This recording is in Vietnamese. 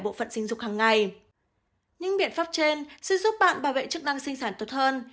bộ phận sinh dục hàng ngày những biện pháp trên sẽ giúp bạn bảo vệ chức năng sinh sản tốt hơn